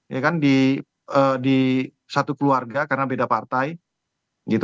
ya kan di satu keluarga karena beda partai